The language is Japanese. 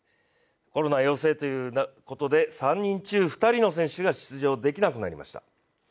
コロナ陽性ということで３人中２人の選手が出場できなくなりました。